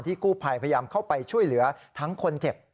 กู้ภัยพยายามเข้าไปช่วยเหลือทั้งคนเจ็บ